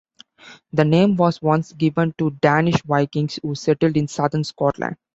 The name was once given to Danish Vikings who settled in southern Scotland.